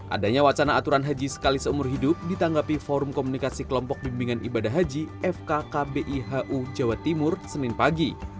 adanya wacana aturan haji sekali seumur hidup ditanggapi forum komunikasi kelompok bimbingan ibadah haji fkkbihu jawa timur senin pagi